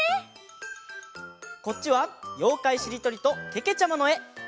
こっちは「ようかいしりとり」とけけちゃまのえ！